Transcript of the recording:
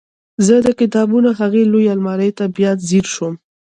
زه د کتابونو هغې لویې المارۍ ته بیا ځیر شوم